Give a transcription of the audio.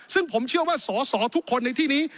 ซึ่งผมเชื่อว่าสอสอทุกคนในที่นี้